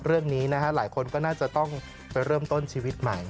เรื่องนี้นะฮะหลายคนก็น่าจะต้องไปเริ่มต้นชีวิตใหม่